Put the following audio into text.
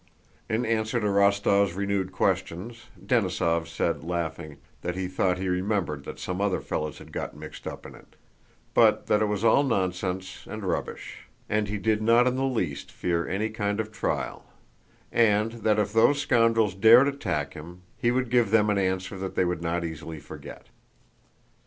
In answer to Rostóv's renewed questions, Denísov said, laughing, that he thought he remembered that some other fellow had got mixed up in it, but that it was all nonsense and rubbish, and he did not in the least fear any kind of trial, and that if those scoundrels dared attack him he would give them an answer that they would not easily forget.